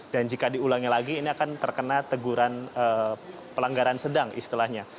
dan jika diulangi lagi ini akan terkena teguran pelanggaran sedang istilahnya